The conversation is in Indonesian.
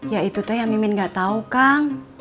ya itu tuh yang mimin gak tahu kang